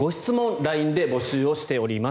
ＬＩＮＥで募集をしております。